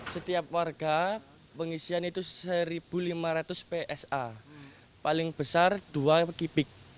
setiap warga pengisian itu satu lima ratus psa paling besar dua kipik